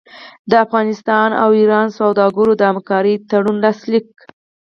د افغانستان او ایران سوداګرو د همکارۍ تړون لاسلیک